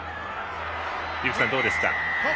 依吹さん、どうですか？